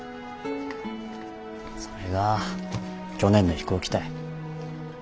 それが去年の飛行機たい。